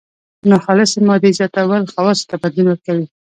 ناخالصې مادې زیاتول خواصو ته بدلون ورکوي.